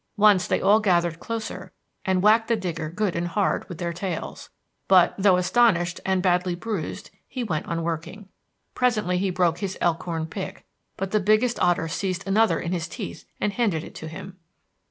Once they all gathered closer and whacked the digger good and hard with their tails, but, though astonished and badly bruised, he went on working. Presently he broke his elkhorn pick, but the biggest otter seized another in his teeth and handed it to him.